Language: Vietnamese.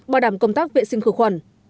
bảo đảm công tác vệ sinh khử khuẩn